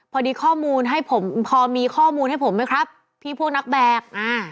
พอดีข้อมูลให้ผมพอมีข้อมูลให้ผมไหมครับพี่พวกนักแบกอ่า